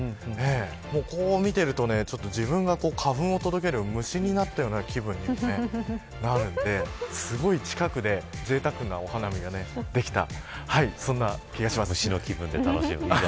こう見ていると自分が花粉を届ける虫になったような気分になるのですごい近くでぜいたくな、お花見ができたそんな気がします。